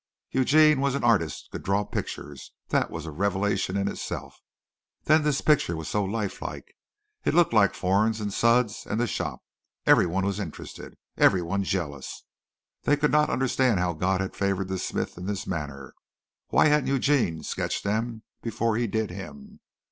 Eugene was an artist could draw pictures that was a revelation in itself. Then this picture was so life like. It looked like Fornes and Sudds and the shop. Everyone was interested. Everyone jealous. They could not understand how God had favored the smith in this manner. Why hadn't Eugene sketched them before he did him?